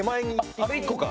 あっあれ１個か。